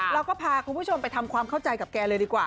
เราก็พาคุณผู้ชมไปทำความเข้าใจกับแกเลยดีกว่า